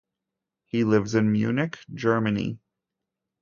He lives in Munich, Germany.